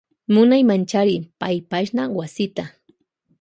Munaymanchari paypashna wasita.